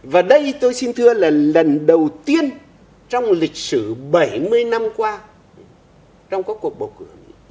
và đây tôi xin thưa là lần đầu tiên trong lịch sử bảy mươi năm qua trong các cuộc bầu cử